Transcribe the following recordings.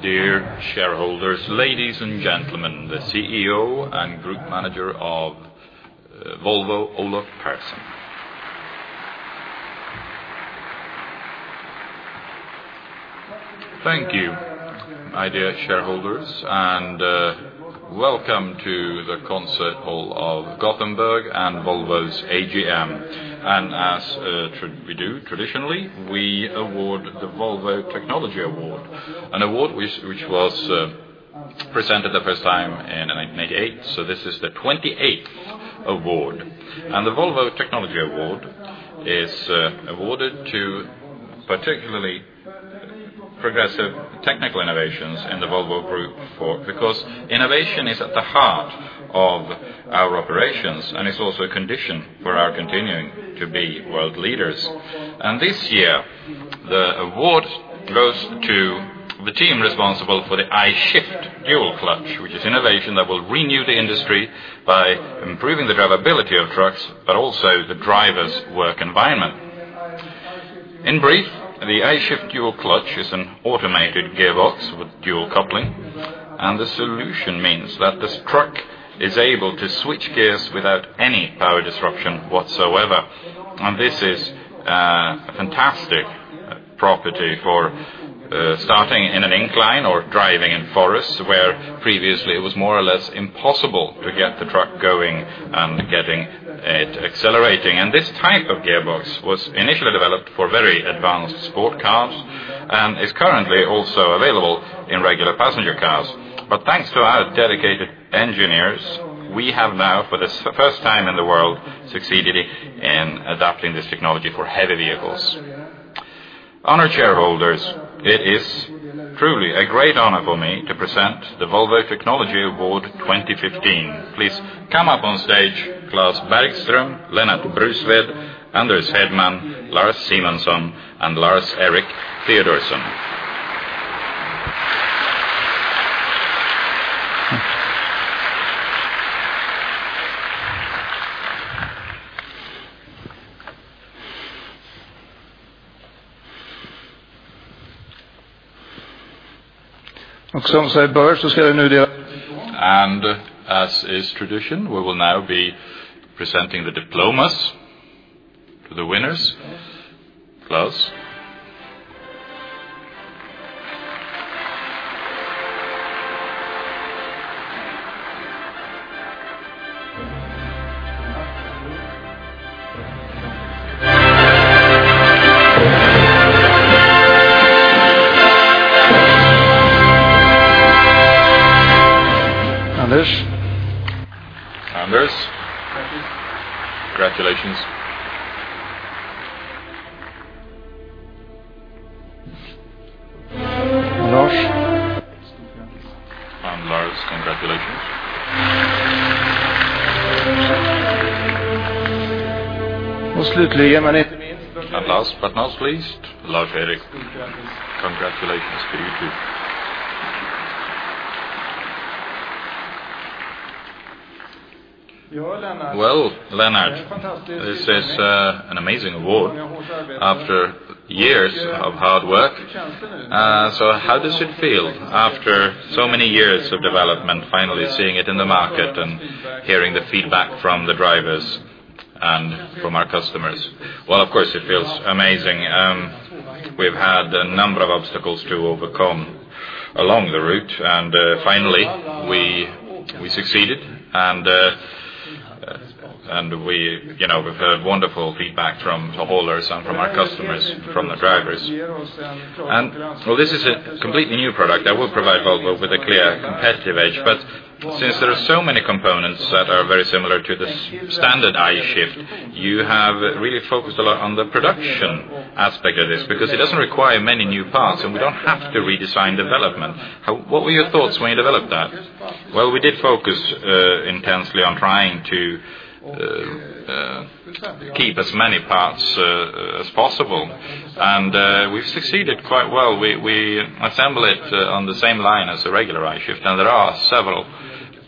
Dear shareholders, ladies and gentlemen, the CEO and group manager of Volvo, Olof Persson. Thank you, my dear shareholders, and welcome to the concert hall of Gothenburg and Volvo's AGM. As we do traditionally, we award the Volvo Technology Award, an award which was presented the first time in 1988. This is the 28th award. The Volvo Technology Award is awarded to particularly progressive technical innovations in the Volvo Group because innovation is at the heart of our operations, it's also a condition for our continuing to be world leaders. This year, the award goes to the team responsible for the I-Shift Dual Clutch, which is innovation that will renew the industry by improving the drivability of trucks, but also the driver's work environment. In brief, the I-Shift Dual Clutch is an automated gearbox with dual coupling, the solution means that this truck is able to switch gears without any power disruption whatsoever. This is a fantastic property for starting in an incline or driving in forests, where previously it was more or less impossible to get the truck going and getting it accelerating. This type of gearbox was initially developed for very advanced sport cars and is currently also available in regular passenger cars. Thanks to our dedicated engineers, we have now, for the first time in the world, succeeded in adapting this technology for heavy vehicles. Honored shareholders, it is truly a great honor for me to present the Volvo Technology Award 2015. Please come up on stage, Klas Bergström, Lennart Brusved, Anders Hedman, Lars Simonsson, and Lars-Erik Theodorsson. As is tradition, we will now be presenting the diplomas to the winners. Klas. Anders. Anders. Thank you. Congratulations. Lars. Lars, congratulations. Last but not least. Last but not least, Lars-Erik. Congratulations. Congratulations to you, too. Well, Lennart, this is an amazing award after years of hard work. How does it feel after so many years of development, finally seeing it in the market and hearing the feedback from the drivers and from our customers? Well, of course, it feels amazing. We've had a number of obstacles to overcome along the route, finally, we succeeded. We've heard wonderful feedback from the haulers and from our customers, from the drivers. This is a completely new product that will provide Volvo with a clear competitive edge. Since there are so many components that are very similar to the standard I-Shift, you have really focused a lot on the production aspect of this because it doesn't require many new parts, we don't have to redesign development. What were your thoughts when you developed that? Well, we did focus intensely on trying to keep as many parts as possible, we've succeeded quite well. We assemble it on the same line as the regular I-Shift, there are several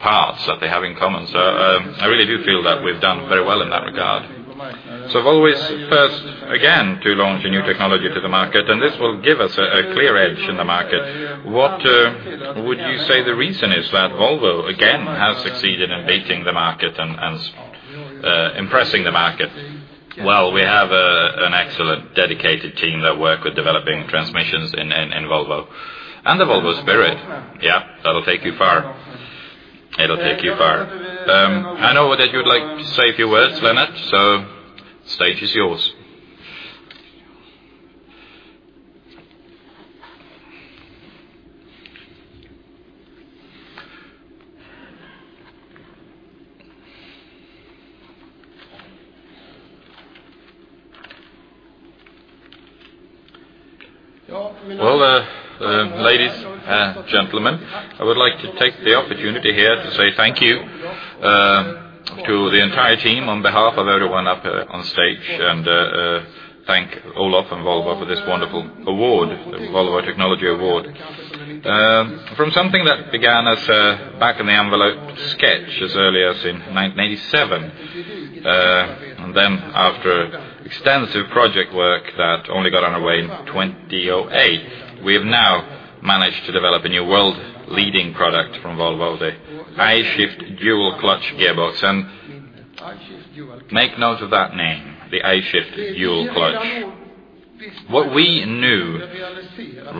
parts that they have in common. I really do feel that we've done very well in that regard. Volvo is first, again, to launch a new technology to the market, this will give us a clear edge in the market. What would you say the reason is that Volvo again has succeeded in beating the market and impressing the market? We have an excellent dedicated team that work with developing transmissions in Volvo. The Volvo spirit. Yeah. That'll take you far. It'll take you far. I know that you would like to say a few words, Lennart, so stage is yours. Ladies and gentlemen, I would like to take the opportunity here to say thank you to the entire team on behalf of everyone up on stage and thank Olof and Volvo for this wonderful award, the Volvo Technology Award. From something that began as a back-of-an-envelope sketch as early as in 1987. After extensive project work that only got underway in 2008, we have now managed to develop a new world leading product from Volvo, the I-Shift Dual Clutch gearbox. Make note of that name, the I-Shift Dual Clutch. What we knew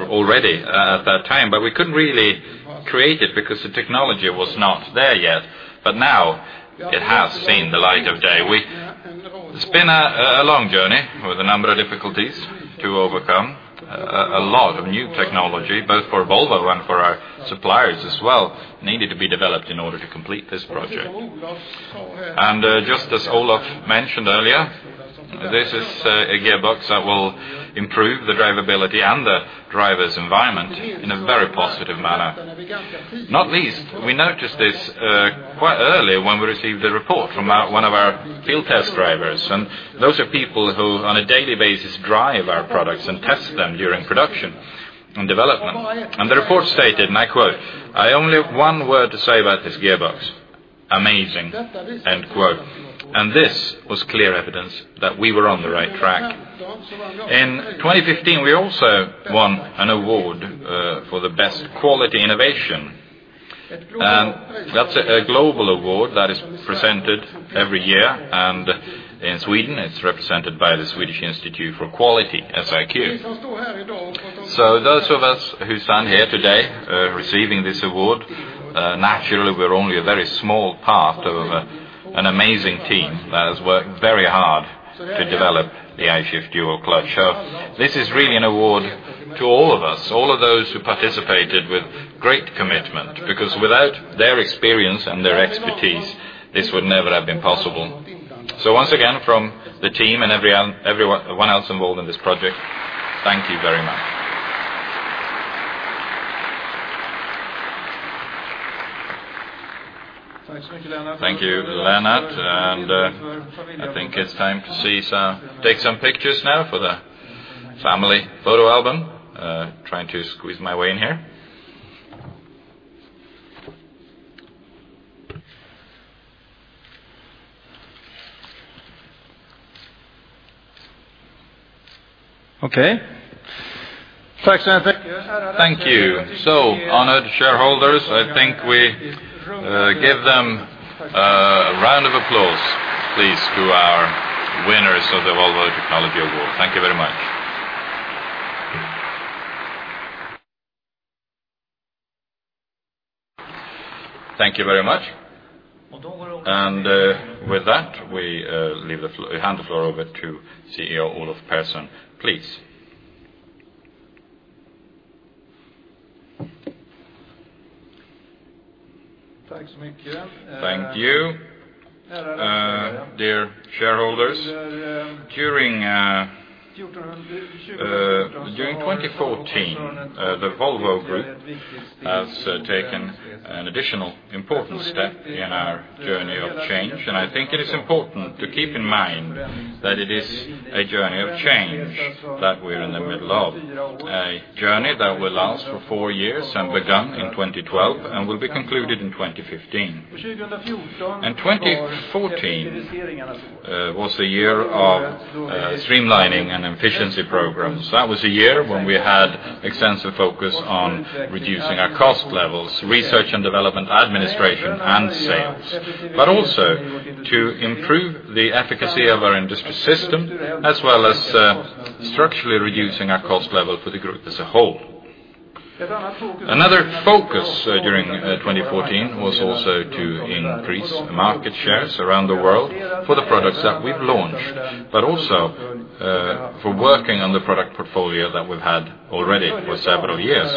already at that time, but we couldn't really create it because the technology was not there yet, now it has seen the light of day. It's been a long journey with a number of difficulties to overcome, a lot of new technology, both for Volvo and for our suppliers as well, needed to be developed in order to complete this project. Just as Olof mentioned earlier, this is a gearbox that will improve the drivability and the driver's environment in a very positive manner. Not least, we noticed this quite early when we received a report from one of our field test drivers, and those are people who on a daily basis drive our products and test them during production and development. The report stated, and I quote, "I only have one word to say about this gearbox, amazing." This was clear evidence that we were on the right track. In 2015, we also won an award for the best Quality Innovation Award. That's a global award that is presented every year, and in Sweden it's represented by the Swedish Institute for Quality, SIQ. Those of us who stand here today receiving this award, naturally we're only a very small part of an amazing team that has worked very hard to develop the I-Shift Dual Clutch. This is really an award to all of us, all of those who participated with great commitment, because without their experience and their expertise, this would never have been possible. Once again, from the team and everyone else involved in this project, thank you very much. Thank you, Lennart. I think it's time to take some pictures now for the family photo album. Trying to squeeze my way in here. Okay. Thank you. Honored shareholders, I think we give them a round of applause, please, to our winners of the Volvo Technology Award. Thank you very much. Thank you very much. With that, we hand the floor over to CEO Olof Persson, please. Thank you. Dear shareholders, during 2014 the Volvo Group has taken an additional important step in our journey of change, I think it is important to keep in mind that it is a journey of change that we're in the middle of. A journey that will last for four years and begun in 2012 and will be concluded in 2015. 2014 was a year of streamlining and efficiency programs. That was a year when we had extensive focus on reducing our cost levels, research and development, administration and sales, but also to improve the efficacy of our industry system, as well as structurally reducing our cost level for the Group as a whole. Another focus during 2014 was also to increase market shares around the world for the products that we've launched, but also for working on the product portfolio that we've had already for several years.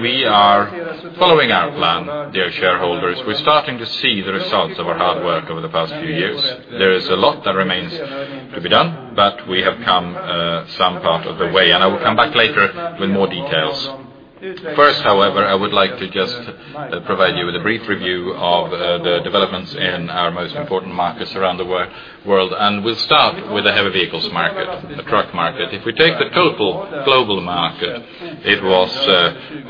We are following our plan, dear shareholders. We're starting to see the results of our hard work over the past few years. There is a lot that remains to be done, but we have come some part of the way. I will come back later with more details. First, however, I would like to just provide you with a brief review of the developments in our most important markets around the world. We'll start with the heavy vehicles market, the truck market. If we take the total global market, it was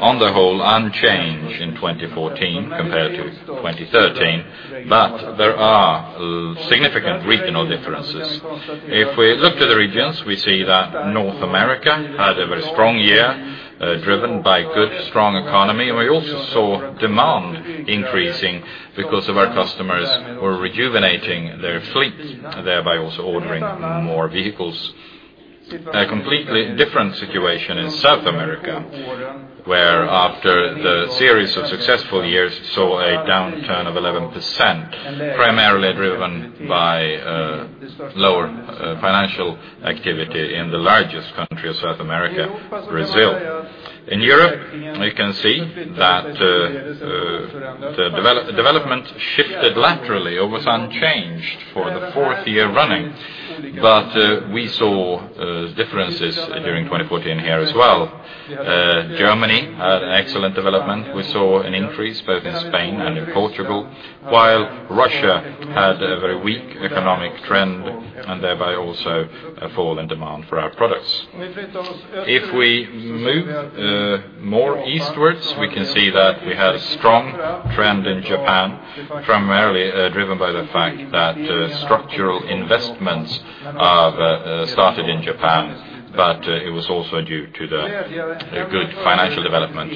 on the whole unchanged in 2014 compared to 2013, but there are significant regional differences. If we look to the regions, we see that North America had a very strong year, driven by good, strong economy. We also saw demand increasing because our customers were rejuvenating their fleet, thereby also ordering more vehicles. A completely different situation in South America, where after the series of successful years, saw a downturn of 11%, primarily driven by lower financial activity in the largest country of South America, Brazil. In Europe, we can see that the development shifted laterally or was unchanged for the fourth year running. We saw differences during 2014 here as well. Germany had excellent development. We saw an increase both in Spain and in Portugal, while Russia had a very weak economic trend, thereby also a fall in demand for our products. If we move more eastwards, we can see that we had a strong trend in Japan, primarily driven by the fact that structural investments have started in Japan, it was also due to the good financial development.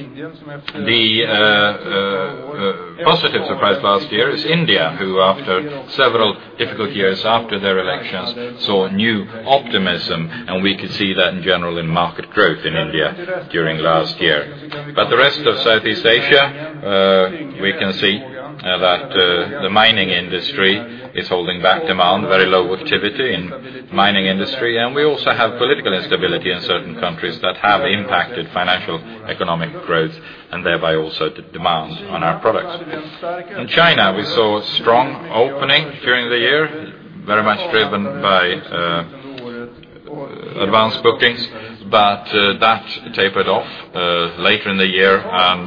The positive surprise last year is India, who, after several difficult years after their elections, saw new optimism, we could see that in general in market growth in India during last year. The rest of Southeast Asia, we can see that the mining industry is holding back demand, very low activity in mining industry, we also have political instability in certain countries that have impacted financial economic growth, thereby also the demand on our products. In China, we saw a strong opening during the year, very much driven by advanced bookings, that tapered off later in the year,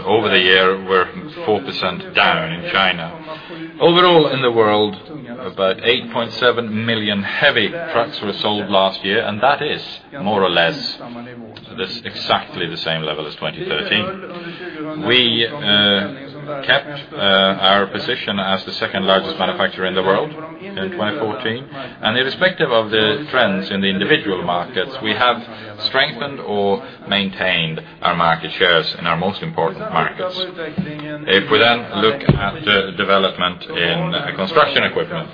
over the year, we're 4% down in China. Overall, in the world, about 8.7 million heavy trucks were sold last year, that is more or less exactly the same level as 2013. We kept our position as the second-largest manufacturer in the world in 2014. Irrespective of the trends in the individual markets, we have strengthened or maintained our market shares in our most important markets. If we then look at the development in Construction Equipment.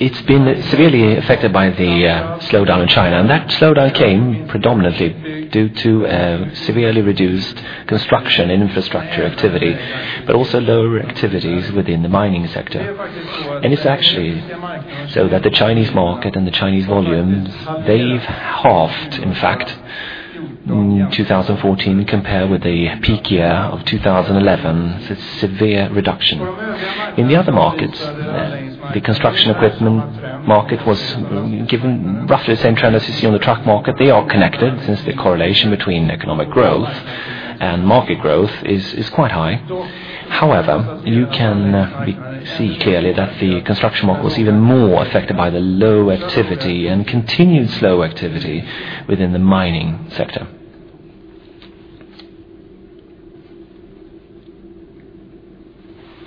It's been severely affected by the slowdown in China. That slowdown came predominantly due to severely reduced construction and infrastructure activity, lower activities within the mining sector. It's actually so that the Chinese market and the Chinese volume, they've halved, in fact, in 2014 compared with the peak year of 2011. It's a severe reduction. In the other markets, the construction equipment market was given roughly the same trend as you see on the truck market. They are connected since the correlation between economic growth and market growth is quite high. However, you can see clearly that the construction market was even more affected by the low activity and continued slow activity within the mining sector.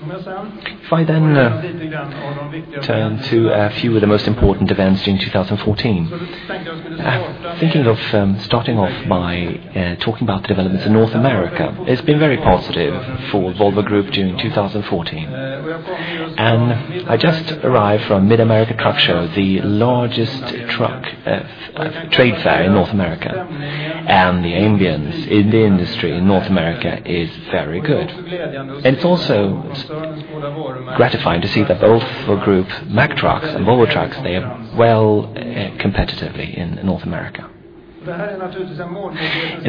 If I then turn to a few of the most important events during 2014, thinking of starting off by talking about the developments in North America. It's been very positive for Volvo Group during 2014. I just arrived from Mid-America Truck Show, the largest truck trade fair in North America. The ambience in the industry in North America is very good. It's also gratifying to see that both Volvo Group Mack Trucks and Volvo Trucks, they are well competitively in North America.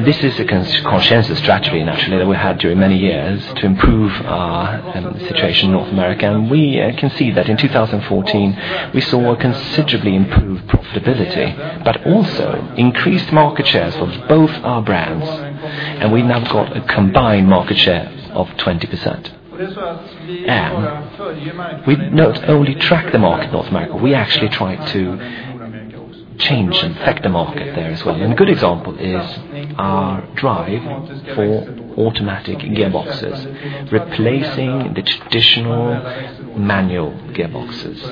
This is a consensus strategy, naturally, that we had during many years to improve our situation in North America. We can see that in 2014, we saw a considerably improved profitability, but also increased market shares of both our brands, and we've now got a combined market share of 20%. We not only track the market in North America, we actually try to change and affect the market there as well. A good example is our drive for automatic gearboxes, replacing the traditional manual gearboxes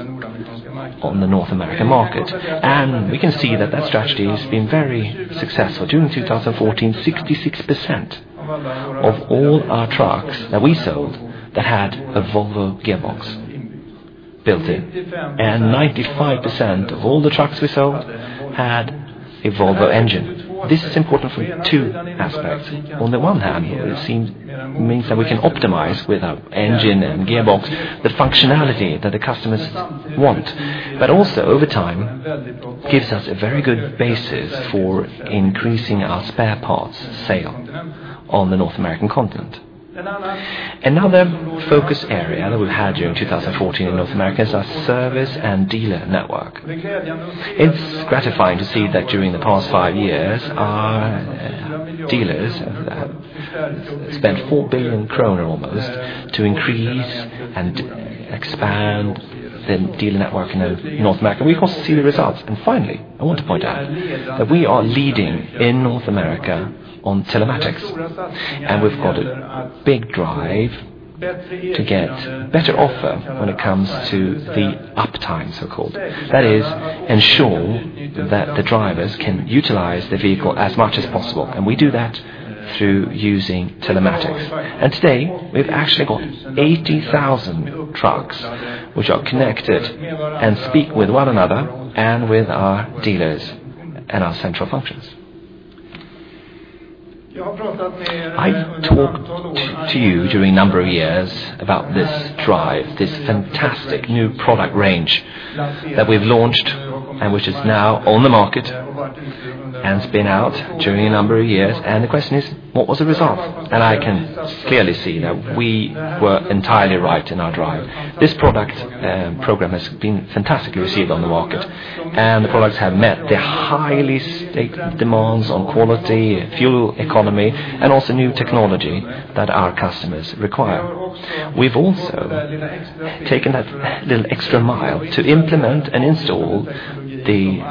on the North American market. We can see that that strategy has been very successful. During 2014, 66% of all our trucks that we sold that had a Volvo gearbox built in, and 95% of all the trucks we sold had a Volvo engine. This is important for two aspects. On the one hand, it means that we can optimize with our engine and gearbox the functionality that the customers want, but also over time gives us a very good basis for increasing our spare parts sale on the North American continent. Another focus area that we had during 2014 in North America is our service and dealer network. It's gratifying to see that during the past five years, our dealers have spent 4 billion kronor almost to increase and expand the dealer network in North America. We also see the results. Finally, I want to point out that we are leading in North America on telematics, and we've got a big drive to get better offer when it comes to the uptime, so-called. That is, ensure that the drivers can utilize the vehicle as much as possible. We do that through using telematics. Today, we've actually got 80,000 trucks which are connected and speak with one another and with our dealers and our central functions. I talked to you during a number of years about this drive, this fantastic new product range that we've launched and which is now on the market and has been out during a number of years. The question is, what was the result? I can clearly see that we were entirely right in our drive. This product program has been fantastically received on the market, and the products have met the highly stated demands on quality, fuel economy, and also new technology that our customers require. We've also taken that little extra mile to implement and install the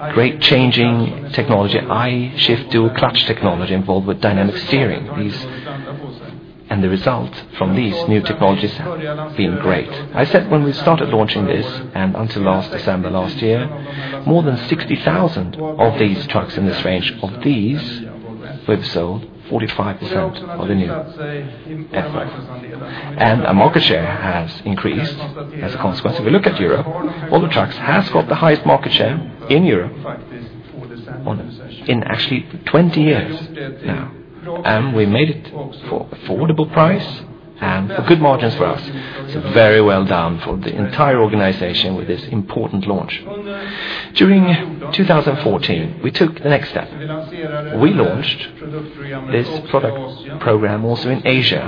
I-Shift Dual Clutch technology involved with Volvo Dynamic Steering. The results from these new technologies have been great. I said when we started launching this, and until last December last year, more than 60,000 of these trucks in this range, of these, we've sold 45% of the new FH model. Our market share has increased as a consequence. If we look at Europe, Volvo Trucks has got the highest market share in Europe in actually 20 years now. We made it for affordable price and for good margins for us. Very well done for the entire organization with this important launch. During 2014, we took the next step. We launched this product program also in Asia,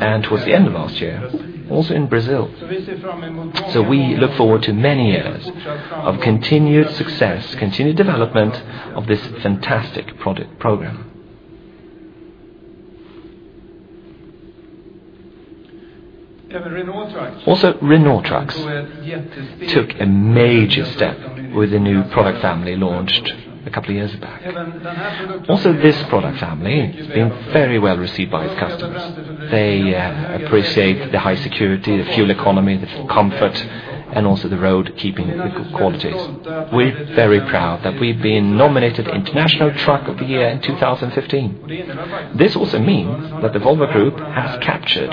and towards the end of last year, also in Brazil. We look forward to many years of continued success, continued development of this fantastic product program. Also, Renault Trucks took a major step with the new product family launched a couple of years back. Also, this product family has been very well received by its customers. They appreciate the high security, the fuel economy, the comfort, and also the road keeping qualities. We're very proud that we've been nominated International Truck of the Year in 2015. This also means that the Volvo Group has captured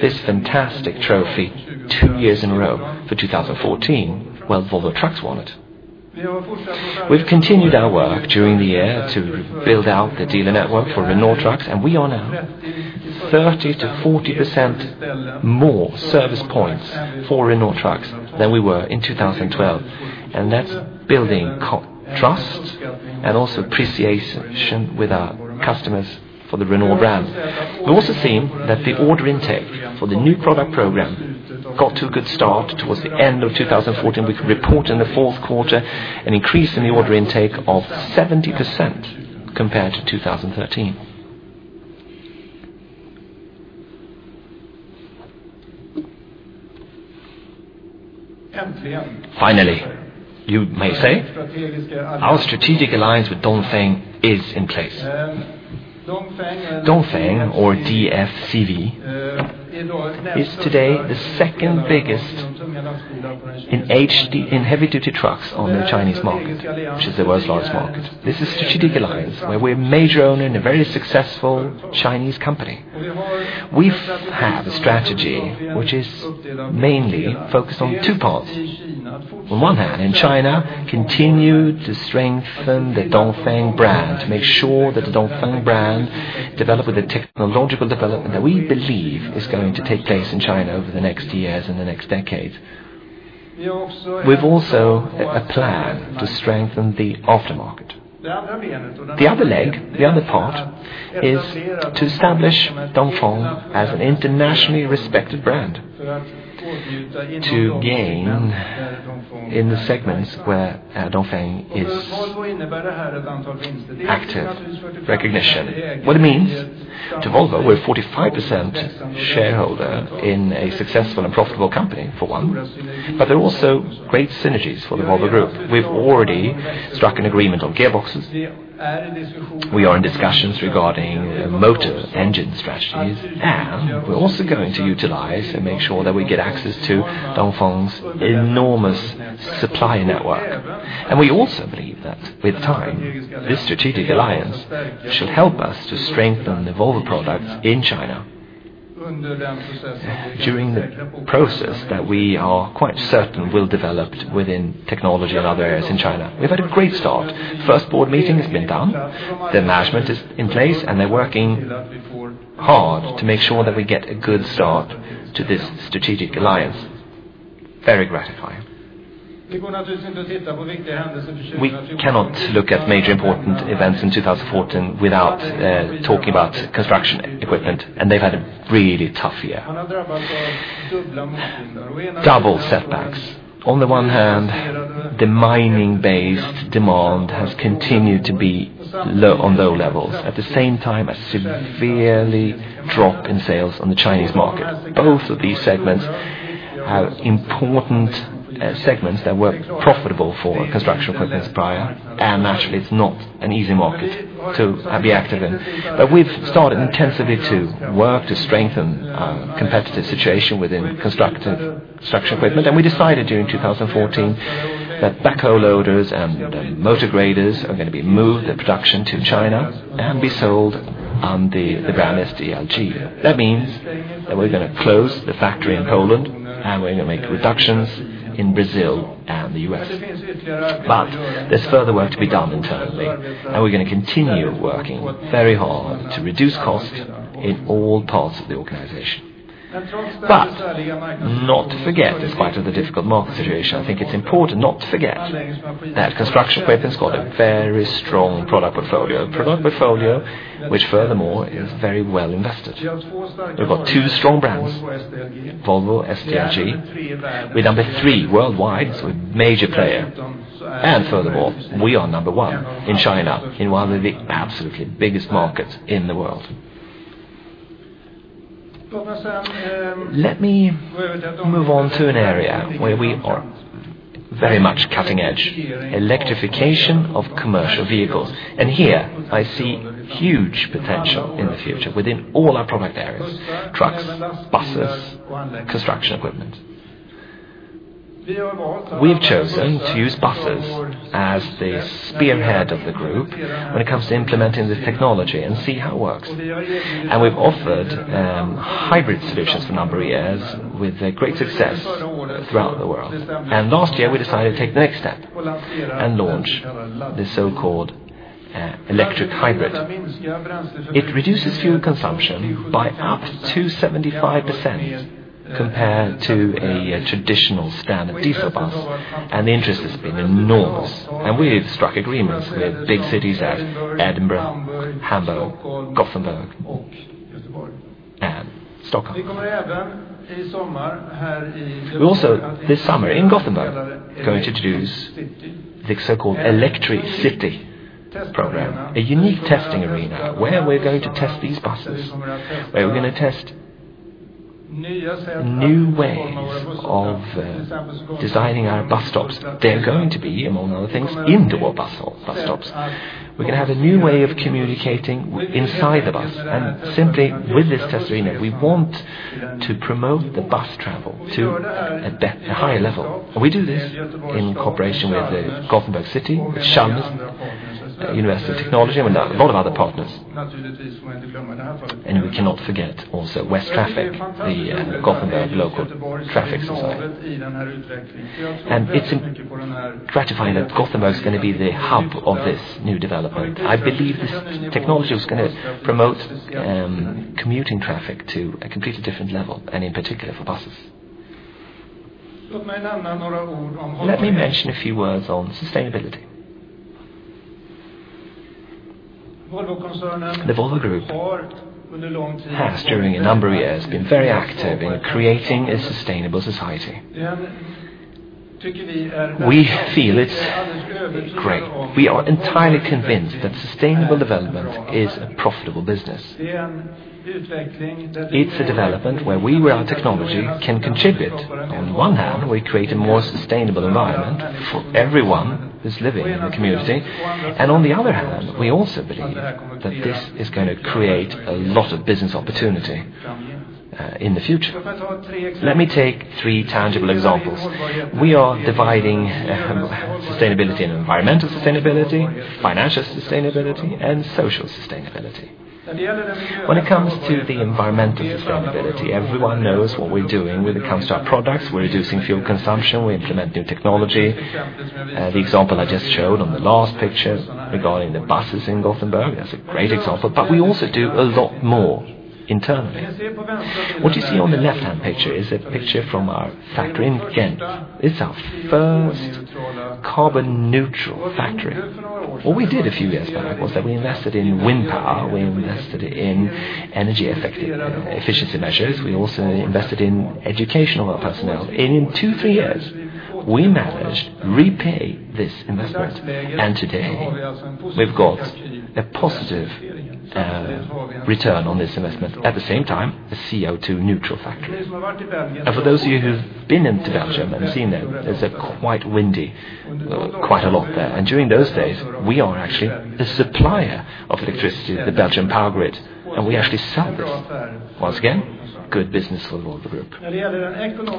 this fantastic trophy two years in a row. For 2014, well, Volvo Trucks won it. We've continued our work during the year to build out the dealer network for Renault Trucks, and we are now 30%-40% more service points for Renault Trucks than we were in 2012. That's building trust and also appreciation with our customers for the Renault brand. We also have seen that the order intake for the new product program got to a good start towards the end of 2014. We can report in the fourth quarter an increase in the order intake of 70% compared to 2013. Finally, you may say, our strategic alliance with Dongfeng is in place. Dongfeng or DFCV is today the second biggest in heavy duty trucks on the Chinese market, which is the world's largest market. This is a strategic alliance where we're a major owner in a very successful Chinese company. We have a strategy which is mainly focused on two parts. On one hand, in China, continue to strengthen the Dongfeng brand, make sure that the Dongfeng brand develop with the technological development that we believe is going to take place in China over the next years and the next decade. We've also a plan to strengthen the aftermarket. The other leg, the other part, is to establish Dongfeng as an internationally respected brand to gain in the segments where Dongfeng is active recognition. What it means to Volvo, we're a 45% shareholder in a successful and profitable company, for one, but there are also great synergies for the Volvo Group. We've already struck an agreement on gearboxes. We are in discussions regarding motor engine strategies, and we're also going to utilize and make sure that we get access to Dongfeng's enormous supplier network. We also believe that with time, this strategic alliance should help us to strengthen the Volvo products in China. During the process that we are quite certain will develop within technology and other areas in China. We've had a great start. First board meeting has been done. The management is in place, and they're working hard to make sure that we get a good start to this strategic alliance. Very gratifying. We cannot look at major important events in 2014 without talking about Volvo Construction Equipment, and they've had a really tough year. Double setbacks. On the one hand, the mining-based demand has continued to be on low levels. At the same time, a severe drop in sales on the Chinese market. Both of these segments are important segments that were profitable for Volvo Construction Equipment prior, naturally, it's not an easy market to be active in. We've started intensively to work to strengthen our competitive situation within Volvo Construction Equipment. We decided during 2014 that backhoe loaders and motor graders are going to be moved their production to China and be sold under the brand SDLG. That means that we're going to close the factory in Poland, and we're going to make reductions in Brazil and the U.S. There's further work to be done internally, and we're going to continue working very hard to reduce cost in all parts of the organization. Not to forget, in spite of the difficult market situation, I think it's important not to forget that Volvo Construction Equipment's got a very strong product portfolio. A product portfolio which furthermore is very well invested. We've got two strong brands, Volvo, SDLG. We're number 3 worldwide, so a major player. Furthermore, we are number 1 in China, in one of the absolutely biggest markets in the world. Let me move on to an area where we are very much cutting edge, electrification of commercial vehicles. Here I see huge potential in the future within all our product areas, trucks, buses, construction equipment. We've chosen to use buses as the spearhead of the group when it comes to implementing this technology and see how it works. We've offered hybrid solutions for a number of years with great success throughout the world. Last year, we decided to take the next step and launch the so-called Electric Hybrid. It reduces fuel consumption by up to 75% compared to a traditional standard diesel bus, and the interest has been enormous. We've struck agreements with big cities as Edinburgh, Hamburg, Gothenburg, and Stockholm. We also, this summer in Gothenburg, are going to introduce the so-called ElectriCity program, a unique testing arena where we're going to test these buses, where we're going to test new ways of designing our bus stops. They're going to be, among other things, indoor bus stops. We're going to have a new way of communicating inside the bus. Simply with this test arena, we want to promote the bus travel to a higher level. We do this in cooperation with City of Gothenburg, with Chalmers University of Technology, and a lot of other partners. We cannot forget also Västtrafik, the Gothenburg local traffic society. It's gratifying that Gothenburg is going to be the hub of this new development. I believe this technology is going to promote commuting traffic to a completely different level, and in particular for buses. Let me mention a few words on sustainability. The Volvo Group has, during a number of years, been very active in creating a sustainable society. We feel it's great. We are entirely convinced that sustainable development is a profitable business. It's a development where we, with our technology, can contribute. On one hand, we create a more sustainable environment for everyone who's living in the community. On the other hand, we also believe that this is going to create a lot of business opportunity in the future. Let me take three tangible examples. We are dividing sustainability into environmental sustainability, financial sustainability, and social sustainability. When it comes to the environmental sustainability, everyone knows what we're doing when it comes to our products. We're reducing fuel consumption. We implement new technology. The example I just showed on the last picture regarding the buses in Gothenburg, that's a great example. We also do a lot more internally. What you see on the left-hand picture is a picture from our factory in Ghent. It's our first carbon neutral factory. What we did a few years back was that we invested in wind power, we invested in energy efficiency measures. We also invested in education of our personnel. In two, three years, we managed to repay this investment. Today we've got a positive return on this investment. At the same time, a CO2 neutral factory. For those of you who've been into Belgium and seen that it's quite windy quite a lot there. During those days, we are actually a supplier of electricity to the Belgium power grid, and we actually sell this. Once again, good business for Volvo Group.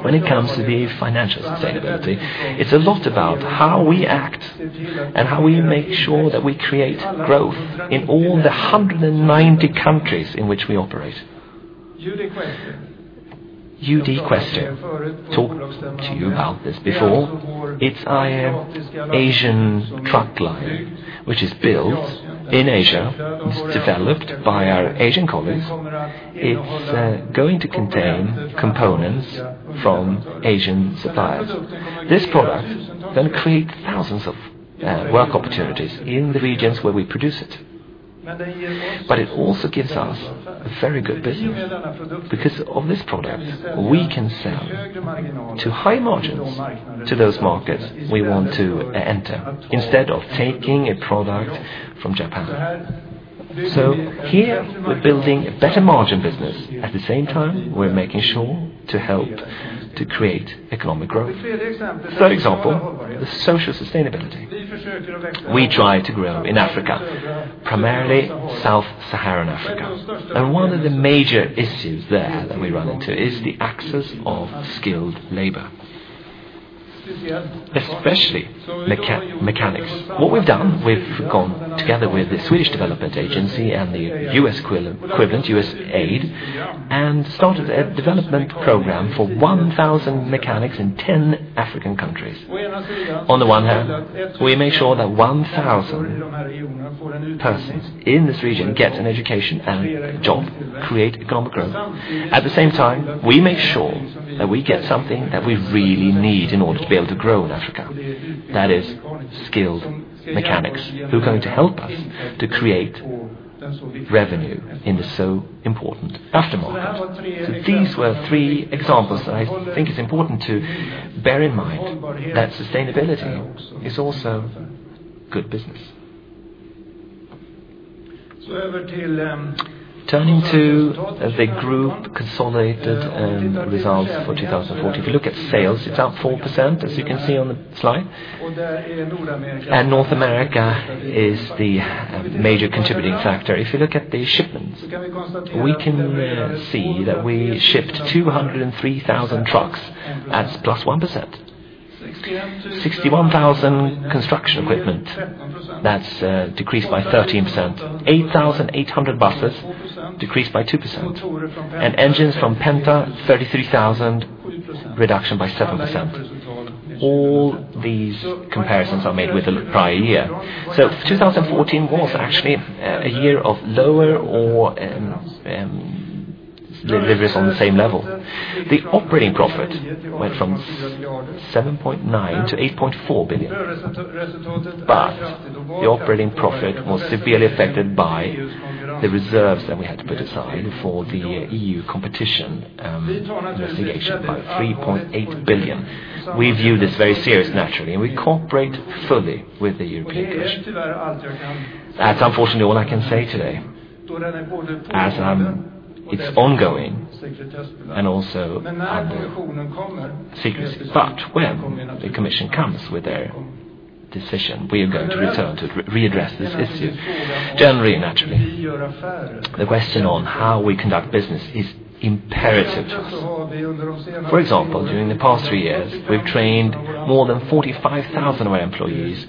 When it comes to the financial sustainability, it's a lot about how we act and how we make sure that we create growth in all the 190 countries in which we operate. UD Quester. Talked to you about this before. It's our Asian truck line, which is built in Asia. It's developed by our Asian colleagues. It's going to contain components from Asian suppliers. This product will create thousands of work opportunities in the regions where we produce it. It also gives us a very good business. Because of this product, we can sell to high margins to those markets we want to enter instead of taking a product from Japan. Here we're building a better margin business. At the same time, we're making sure to help to create economic growth. Third example, the social sustainability. We try to grow in Africa, primarily Sub-Saharan Africa. One of the major issues there that we run into is the access of skilled labor, especially mechanics. What we've done, we've gone together with the Swedish Development Agency and the U.S. equivalent, USAID, and started a development program for 1,000 mechanics in 10 African countries. On the one hand, we make sure that 1,000 persons in this region get an education and a job, create economic growth. At the same time, we make sure that we get something that we really need in order to be able to grow in Africa. That is skilled mechanics who are going to help us to create revenue in the so important aftermarket. These were three examples that I think is important to bear in mind, that sustainability is also good business. Turning to the group consolidated results for 2014. If you look at sales, it is up 4%, as you can see on the slide. North America is the major contributing factor. If you look at the shipments, we can see that we shipped 203,000 trucks. That is +1%. 61,000 construction equipment, that is decreased by 13%. 8,800 buses, decreased by 2%. And engines from Penta, 33,000, reduction by 7%. All these comparisons are made with the prior year. So 2014 was actually a year of lower or levels on the same level. The operating profit went from 7.9 billion to 8.4 billion. But the operating profit was severely affected by the reserves that we had to put aside for the EU competition investigation by 3.8 billion. We view this very serious, naturally, and we cooperate fully with the European Commission. That is unfortunately all I can say today, as it is ongoing and also secret. When the commission comes with their decision, we are going to return to readdress this issue. Generally, naturally, the question on how we conduct business is imperative to us. For example, during the past three years, we have trained more than 45,000 of our employees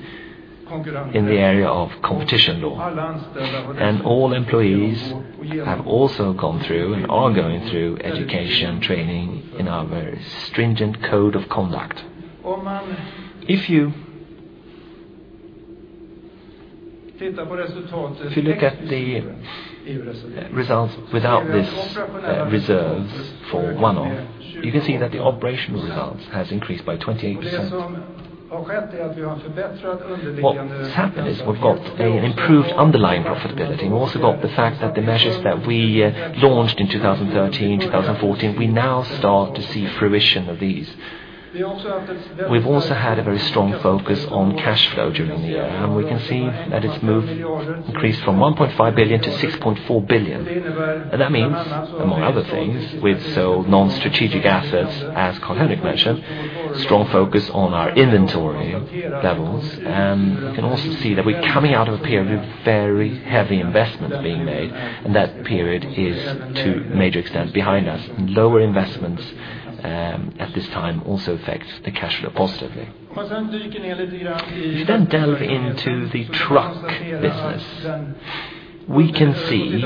in the area of competition law, and all employees have also gone through and are going through education training in our very stringent code of conduct. If you look at the results without this reserve for one-off, you can see that the operational results has increased by 28%. What has happened is we have got an improved underlying profitability. We have also got the fact that the measures that we launched in 2013, 2014, we now start to see fruition of these. We have also had a very strong focus on cash flow during the year, and we can see that it has increased from 1.5 billion to 6.4 billion. That means, among other things, we have sold non-strategic assets, as Carl-Henric mentioned, strong focus on our inventory levels, and you can also see that we are coming out of a period of very heavy investment being made, and that period is to a major extent behind us. Lower investments at this time also affect the cash flow positively. If you then delve into the truck business, we can see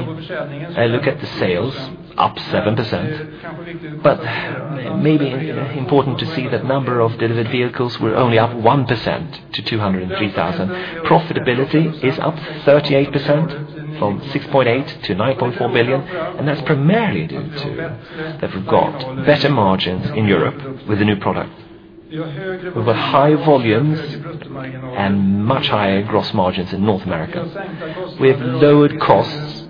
a look at the sales up 7%, but maybe important to see that number of delivered vehicles were only up 1% to 203,000. Profitability is up 38% from 6.8 billion to 9.4 billion, and that is primarily due to that we have got better margins in Europe with the new product. We have high volumes and much higher gross margins in North America. We have lowered costs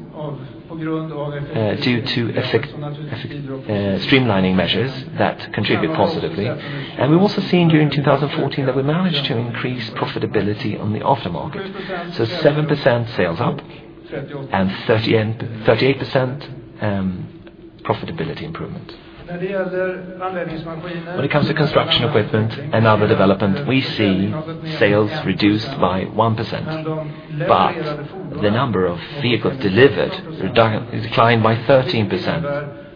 due to streamlining measures that contribute positively. We have also seen during 2014 that we managed to increase profitability on the aftermarket. So 7% sales up and 38% profitability improvement. When it comes to construction equipment and other development, we see sales reduced by 1%, but the number of vehicles delivered declined by 13%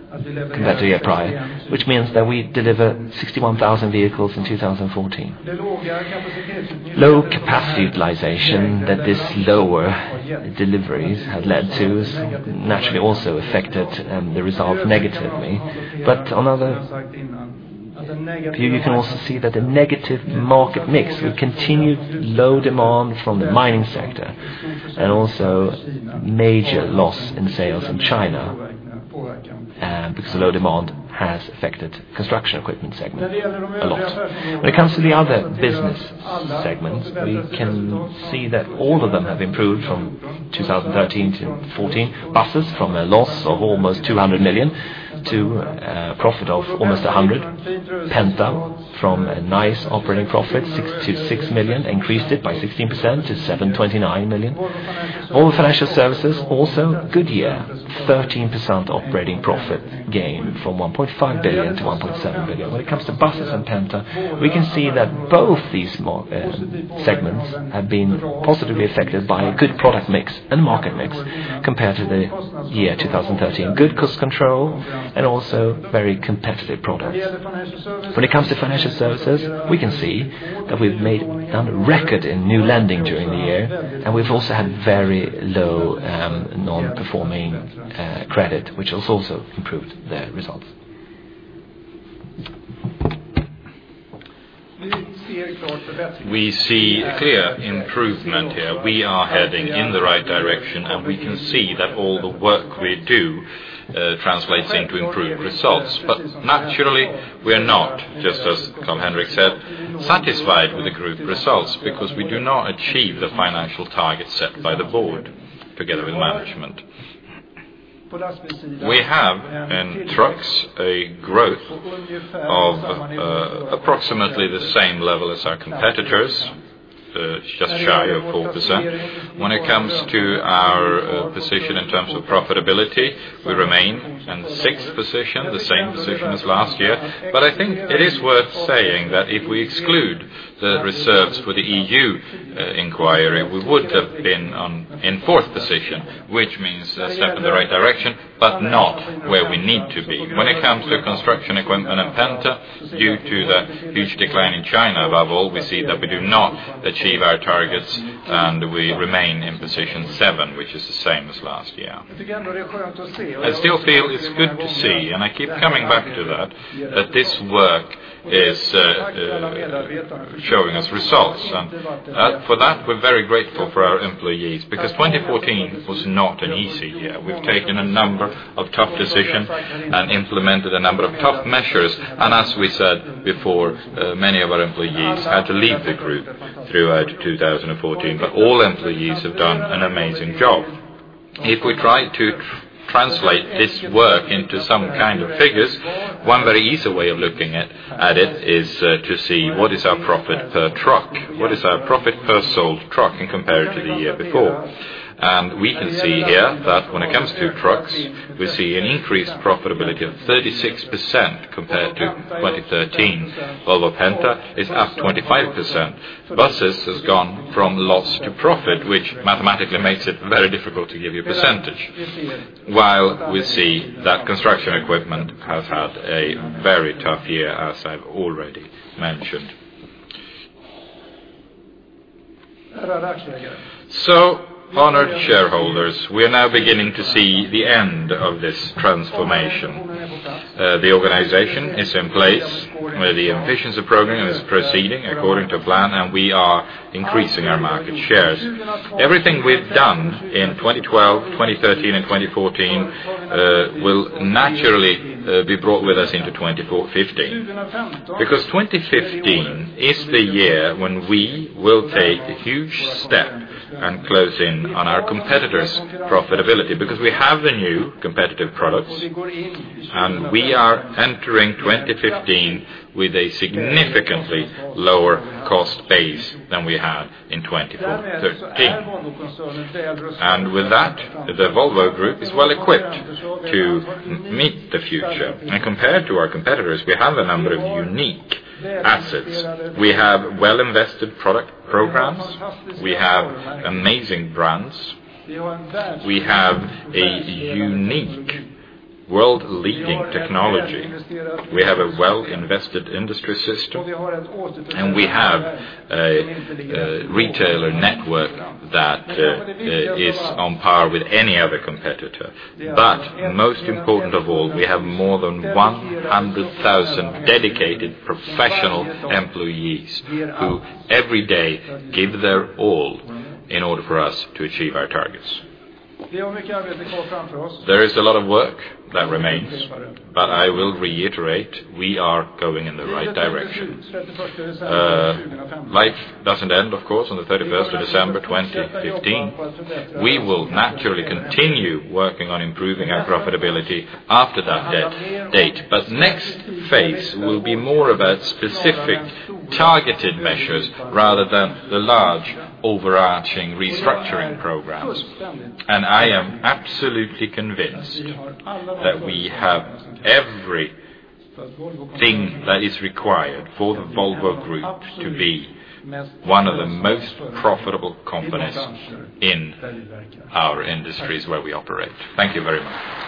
compared to year prior, which means that we delivered 61,000 vehicles in 2014. Low capacity utilization that this lower delivery has led to has naturally also affected the result negatively. On other view, you can also see that the negative market mix with continued low demand from the mining sector and also major loss in sales in China because the low demand has affected construction equipment segment a lot. When it comes to the other business segments, we can see that all of them have improved from 2013 to 2014. Buses, from a loss of almost 200 million to a profit of almost 100 million. Volvo Penta, from a nice operating profit, 626 million, increased it by 16% to 729 million. Volvo Financial Services, also good year, 13% operating profit gain from 1.5 billion to 1.7 billion. When it comes to Buses and Volvo Penta, we can see that both these segments have been positively affected by a good product mix and market mix compared to the year 2013. Good cost control and also very competitive products. When it comes to Volvo Financial Services, we can see that we've done a record in new lending during the year, and we've also had very low non-performing credit, which has also improved the results. We see clear improvement here. We are heading in the right direction, and we can see that all the work we do translates into improved results. Naturally, we are not, just as Carl-Henric said, satisfied with the group results because we do not achieve the financial targets set by the Board together with management. We have in Volvo Trucks a growth of approximately the same level as our competitors, just shy of 4%. When it comes to our position in terms of profitability, we remain in the sixth position, the same position as last year. I think it is worth saying that if we exclude the reserves for the EU inquiry, we would have been in fourth position, which means a step in the right direction, but not where we need to be. When it comes to Volvo Construction Equipment and Volvo Penta, due to the huge decline in China, above all, we see that we do not achieve our targets, and we remain in position seven, which is the same as last year. I still feel it's good to see, and I keep coming back to that this work is showing us results. For that, we're very grateful for our employees, because 2014 was not an easy year. We've taken a number of tough decisions and implemented a number of tough measures. As we said before, many of our employees had to leave the group throughout 2014, but all employees have done an amazing job. If we try to translate this work into some kind of figures, one very easy way of looking at it is to see what is our profit per truck, what is our profit per sold truck compared to the year before. We can see here that when it comes to Volvo Trucks, we see an increased profitability of 36% compared to 2013, while the Volvo Penta is up 25%. Buses has gone from loss to profit, which mathematically makes it very difficult to give you a percentage, while we see that Volvo Construction Equipment has had a very tough year, as I've already mentioned. Honored shareholders, we are now beginning to see the end of this transformation. The organization is in place. The efficiency program is proceeding according to plan, and we are increasing our market shares. Everything we've done in 2012, 2013, and 2014 will naturally be brought with us into 2015. 2015 is the year when we will take a huge step and close in on our competitors' profitability because we have the new competitive products, and we are entering 2015 with a significantly lower cost base than we had in 2013. With that, the Volvo Group is well equipped to meet the future. Compared to our competitors, we have a number of unique assets. We have well-invested product programs. We have amazing brands. We have a unique world-leading technology. We have a well-invested industry system, and we have a retailer network that is on par with any other competitor. Most important of all, we have more than 100,000 dedicated professional employees who every day give their all in order for us to achieve our targets. There is a lot of work that remains, but I will reiterate, we are going in the right direction. Life doesn't end, of course, on the 31st of December 2015. We will naturally continue working on improving our profitability after that date. Next phase will be more about specific targeted measures rather than the large overarching restructuring programs. I am absolutely convinced that we have everything that is required for the Volvo Group to be one of the most profitable companies in our industries where we operate. Thank you very much